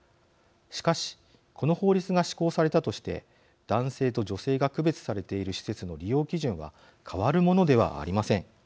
しかしこの法律が施行されたとして男性と女性が区別されている施設の利用基準は変わるものではありません。